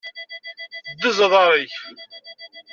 Ddez aḍaṛ-ik!